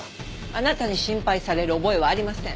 あなたに心配される覚えはありません。